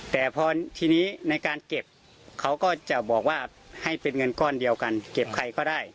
แต่พอทีนี้ในการเก็บเขาก็จะบอกว่าให้เป็นเงินก้อนเดียวกันเก็บใครก็ได้